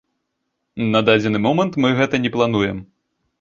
На дадзены момант мы гэта не плануем.